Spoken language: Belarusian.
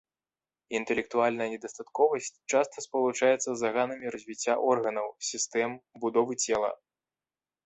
Інтэлектуальная недастатковасць часта спалучаецца з заганамі развіцця органаў, сістэм, будовы цела.